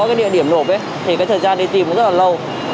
cái địa điểm nộp ấy thì cái thời gian đi tìm cũng rất là lâu